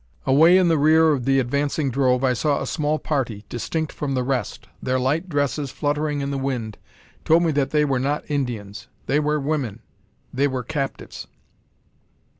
Away in the rear of the advancing drove I saw a small party, distinct from the rest. Their light dresses fluttering in the wind told me that they were not Indians. They were women; they were captives!